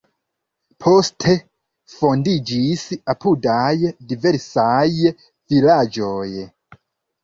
Poste fondiĝis apudaj diversaj vilaĝoj.